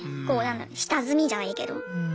こう何だろう下積みじゃないけど。